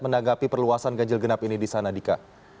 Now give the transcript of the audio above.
menanggapi perluasan ganjil genap ini di sana dika